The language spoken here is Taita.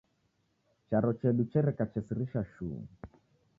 Charo chedu chereka chesirisha shuu.